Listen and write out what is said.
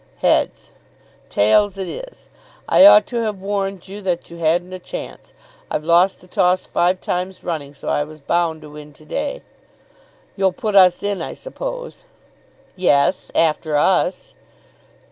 "Heads." "Tails it is. I ought to have warned you that you hadn't a chance. I've lost the toss five times running, so I was bound to win to day." "You'll put us in, I suppose?" "Yes after us."